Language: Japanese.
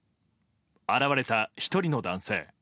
現れた１人の男性。